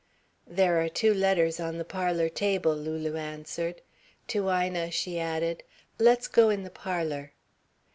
"There are two letters on the parlour table," Lulu answered. To Ina she added: "Let's go in the parlour."